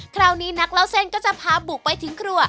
คราวนี้นักเล่าเส้นก็จะพาบุกไปถึงครัว